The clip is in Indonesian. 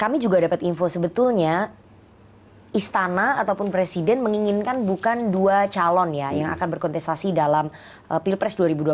kami juga dapat info sebetulnya istana ataupun presiden menginginkan bukan dua calon ya yang akan berkontestasi dalam pilpres dua ribu dua puluh